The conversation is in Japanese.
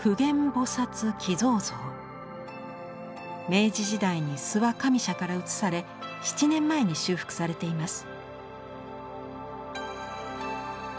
明治時代に諏訪上社から移され７年前に修復されています。